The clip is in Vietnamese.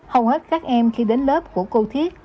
hầu hết các em khi đến lớp của cô thiết